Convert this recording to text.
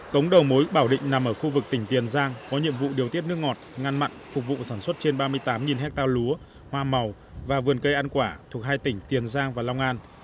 cống đầu mối bảo định nằm ở khu vực tỉnh tiền giang có nhiệm vụ điều tiết nước ngọt ngăn mặn phục vụ sản xuất trên ba mươi tám hectare lúa hoa màu và vườn cây ăn quả thuộc hai tỉnh tiền giang và long an